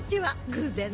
偶然ね。